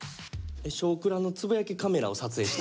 「『少クラ』のつぶやきカメラを撮影した！」。